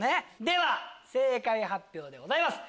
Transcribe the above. では正解発表でございます。